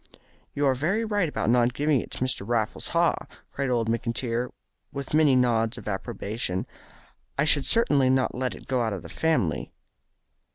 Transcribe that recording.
"You are very right about not giving it to Mr. Raffles Haw," cried old McIntyre, with many nods of approbation. "I should certainly not let it go out of the family."